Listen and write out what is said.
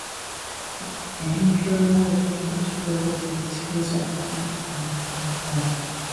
The anchor was transferred to the cliffs of Gap Park by Ald.